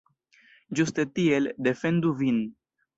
Ĝuste tiel, defendu vin!